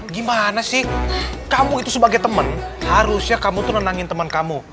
gimana sih kamu itu sebagai teman harusnya kamu tuh nenangin teman kamu